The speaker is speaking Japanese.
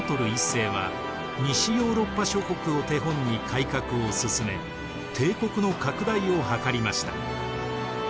１世は西ヨーロッパ諸国を手本に改革を進め帝国の拡大を図りました。